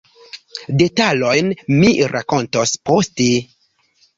Detalojn mi rakontos poste.